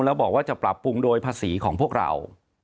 แล้วบอกว่าจะปรับปรุงโดยภาษีของพวกเรา